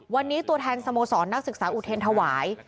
วันนี้ตัวแทนสโมสรนักศึกษาอุเทรนธวาย